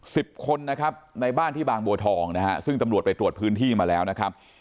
สิบคนนะครับในบ้านที่บางบัวทองนะฮะซึ่งตำรวจไปตรวจพื้นที่มาแล้วนะครับ